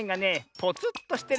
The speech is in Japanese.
ポツっとしてる？